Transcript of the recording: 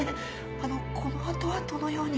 あのこの後はどのように。